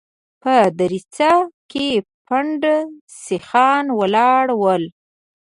په دريڅه کې پنډ سيخان ولاړ ول.